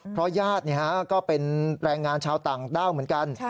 เพราะญาติเนี่ยฮะก็เป็นแรงงานชาวต่างเต้าเหมือนกัน